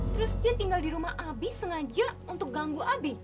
terus dia tinggal di rumah abis sengaja untuk ganggu abis